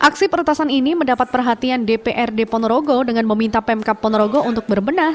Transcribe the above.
aksi peretasan ini mendapat perhatian dprd ponorogo dengan meminta pemkap ponorogo untuk berbenah